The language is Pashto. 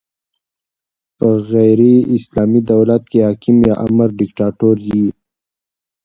په غیري اسلامي دولت کښي حاکم یا امر ډیکتاتور يي.